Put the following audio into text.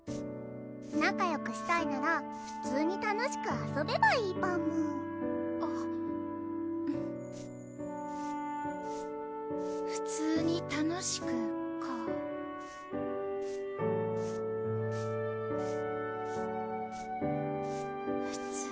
仲よくしたいなら普通に楽しく遊べばいいパム普通に楽しくかぁ普通？